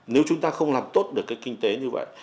nếu chúng ta không làm tốt được cái kinh tế như vậy